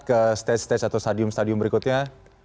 ke stage stage atau stadium stadium berikutnya